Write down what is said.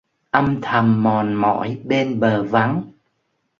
Âm thầm mòn mỏi bên bờ vắng,